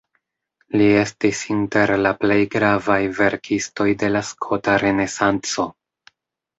Li estis inter la plej gravaj verkistoj de la skota renesanco.